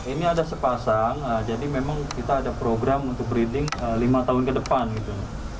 ini ada sepasang jadi memang kita ada program untuk breeding lima tahun ke depan gitu